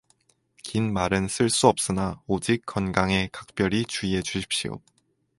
긴 말은 쓸 수 없으나 오직 건강에 각별히 주의해 주십시오.